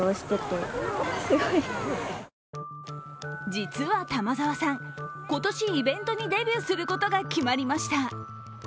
実は玉澤さん、今年イベントにデビューすることが決まりました。